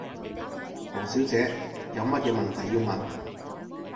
王小姐，有乜嘢問題要問？